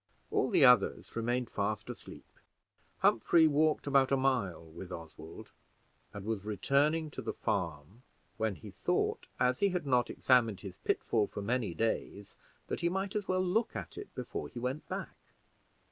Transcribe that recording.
All the others remained fast asleep. Humphrey walked about a mile with Oswald, and was returning to the farm when he thought, as he had not examined his pitfall for many days, that he might as well look at it before he went back.